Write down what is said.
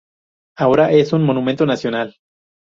Ahora es un Monumento Nacional.